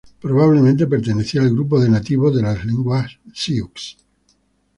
Probablemente pertenecían al grupo de nativos de las lenguas siux.